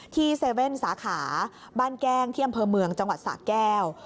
๗๑๑สาขาบ้านแก้งที่อำเภอเมืองจังหวัดสะแก้ว